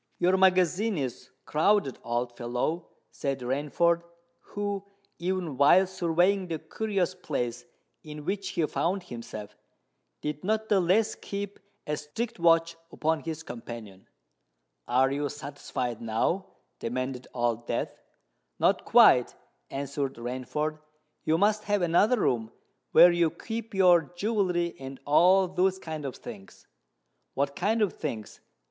"Your magazine is crowded, old fellow," said Rainford, who, even while surveying the curious place in which he found himself, did not the less keep a strict watch upon his companion. "Are you satisfied now?" demanded Old Death. "Not quite," answered Rainford. "You must have another room where you keep your jewellery and all those kinds of things?" "What kind of things?"